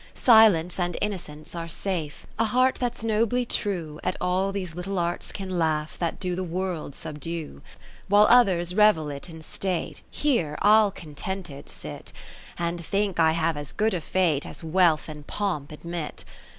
Silence and Innocence are safe ; A heart that 's nobly true 50 At all these little arts can laugh That do the World subdue. While others revel it in State, Here I'll contented sit, And think I have as good a Fate As wealth and pomp admit.